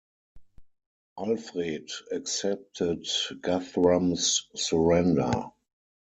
Alfred accepted Guthrum's surrender.